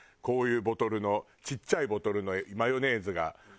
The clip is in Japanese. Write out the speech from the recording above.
こういうボトルのちっちゃいボトルのマヨネーズが。